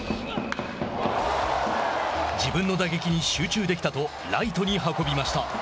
自分の打撃に集中できたとライトに運びました。